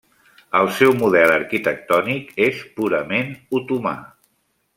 El seu model arquitectònic és purament otomà.